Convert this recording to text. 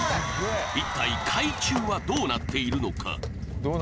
一体海中はどうなっているのか？